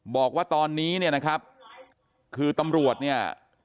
บอกว่าตอนนี้เนี่ยนะครับคือตำรวจเนี่ย